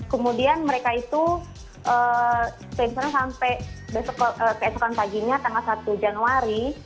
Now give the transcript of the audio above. kemudian mereka itu stay di sana sampai besok keesokan paginya tanggal satu januari